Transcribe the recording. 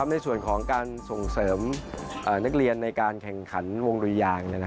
ในส่วนของการส่งเสริมนักเรียนในการแข่งขันวงดุยาง